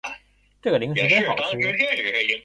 这个零食真好吃